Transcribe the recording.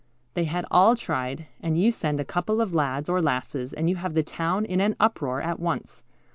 They had all tried, and you send a couple of lads or lasses, and you have the town in an uproar at once.